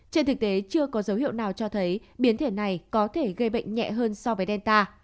trên thực tế chưa có dấu hiệu nào cho thấy biến thể này có thể gây bệnh nhẹ hơn so với delta